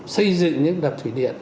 xây dựng những đập thủy điện